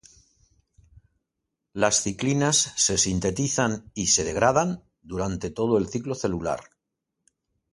Las ciclinas se sintetizan y se degradan durante todo el ciclo celular.